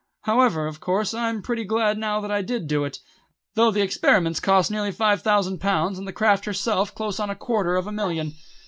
However, of course I'm pretty glad now that I did do it; though the experiments cost nearly five thousand pounds and the craft herself close on a quarter of a million.